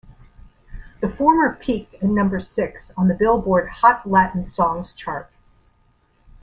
The former peaked at number six on the "Billboard" Hot Latin Songs chart.